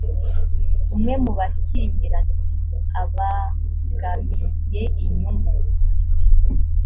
umwe mu bashyingiranywe abangamiye inyungu